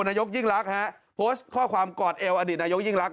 นายกยิ่งรักฮะโพสต์ข้อความกอดเอวอดีตนายกยิ่งรัก